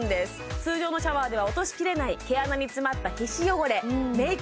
通常のシャワーでは落としきれない毛穴に詰まった皮脂汚れメイク